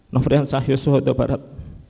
nofrian syahyus sohota barat